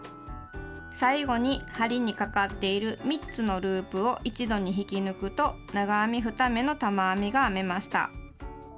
最後に針にかかっている３つのループを一度に引き抜くと長編み２目の玉編みが編めました。